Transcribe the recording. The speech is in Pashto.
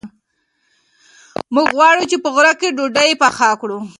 موږ غواړو چې په غره کې ډوډۍ پخه کړو.